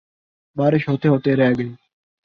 بارش ہوتے ہوتے رہ گئی